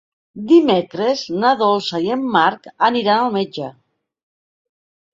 Dimecres na Dolça i en Marc aniran al metge.